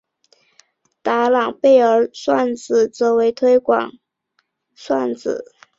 达朗贝尔算子则推广为伪黎曼流形上的双曲型算子。